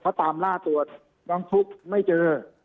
เขาตามล่าตัวน้องฟลุ๊กไม่เจอ